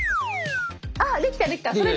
あっできたできた！